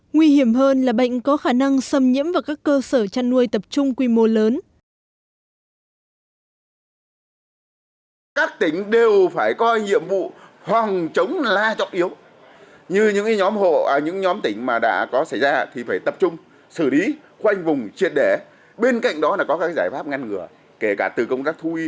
nguy hiểm hơn là bệnh có khả năng xâm nhiễm vào các cơ sở chăn nuôi tập trung quy mô lớn